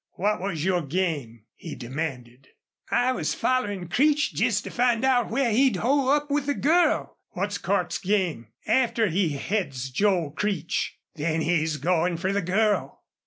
"What was your game?" he demanded. "I was follerin' Creech jest to find out where he'd hole up with the girl." "What's Cordts's game AFTER he heads Joel Creech?" "Then he's goin' fer the girl."